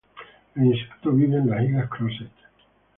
El insecto vive en las Islas Crozet.